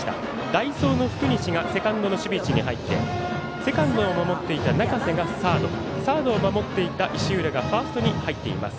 代走の福西がセカンドの守備位置に入ってセカンドを守っていた中瀬がサードサードを守っていた石浦がファーストに入っています。